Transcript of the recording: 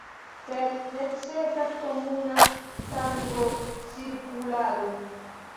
Sed necesas komuna sangocirkulado.